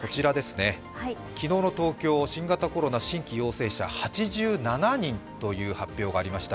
機能の東京、新型コロナ新規陽性者８７人という発表がありました。